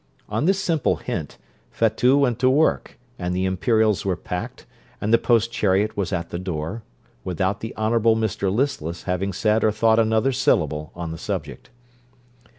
On this simple hint, Fatout went to work, and the imperials were packed, and the post chariot was at the door, without the Honourable Mr Listless having said or thought another syllable on the subject.